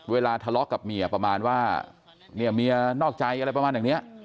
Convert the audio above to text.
เวลาทะเลาะกับเมียประมาณว่าเนี่ยเมียนอกใจอะไรประมาณอย่างนี้